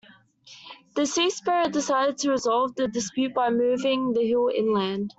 The sea spirit decided to resolve the dispute by moving the hill inland.